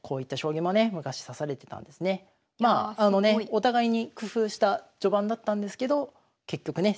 お互いに工夫した序盤だったんですけど結局ね